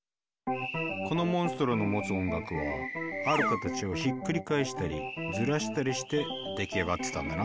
このモンストロの持つ音楽はある形をひっくり返したりずらしたりして出来上がってたんだな。